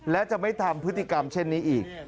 และจะไม่ทำพฤติกรรมเช่นนี้อีก